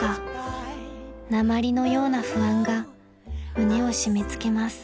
［鉛のような不安が胸を締め付けます］